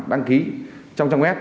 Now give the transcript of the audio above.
đăng ký trong trang web